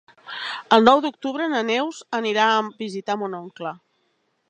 El nou d'octubre na Neus anirà a visitar mon oncle.